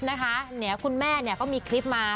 นะคะเนี่ยคุณแม่เนี่ยก็มีคลิปมา